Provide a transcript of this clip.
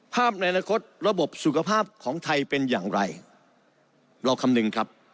ในอนาคตระบบสุขภาพของไทยเป็นอย่างไรเราคำนึงครับ